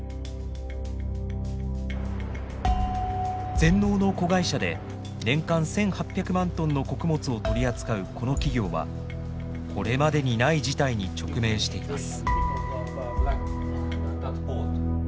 全農の子会社で年間１，８００万トンの穀物を取り扱うこの企業はこれまでにない事態に直面しています。